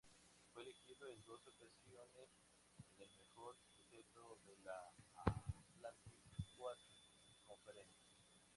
Fue elegido en dos ocasiones en el mejor quinteto de la Atlantic Coast Conference.